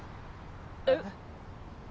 えっ？